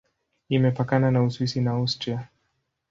Imepakana na Uswisi na Austria.